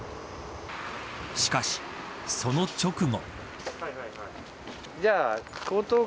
しかし、その直後。